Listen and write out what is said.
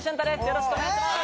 よろしくお願いします！